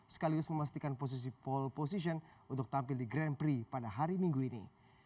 sekaligus memastikan posisi pole position untuk tampil di grand prix pada hari minggu ini